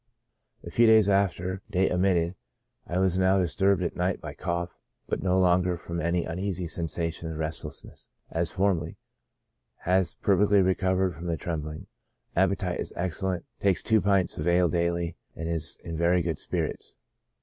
A few days after (date omitted) " Is now disturb ed at night by cough, but no longer from uneasy sensations and restlessness, as formerly; has perfectly recovered from the trembling ; appetite is excellent. Takes two pints of ale daily, and is in very good spirits.